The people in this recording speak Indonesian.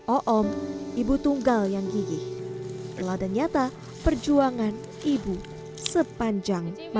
oom ibu tunggal yang gigih telah ternyata perjuangan ibu sepanjang masa